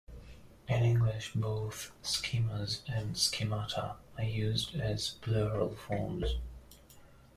In English, both "schemas" and "schemata" are used as plural forms.